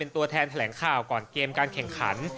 ตัวแทนแถลงข่าวก่อนเกมการแข่งขัน